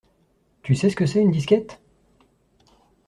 Tu sais ce que c'est une disquette?